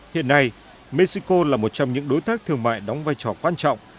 hiện nay mexico là một trong những đối tác thương mại đóng vai trò quan trọng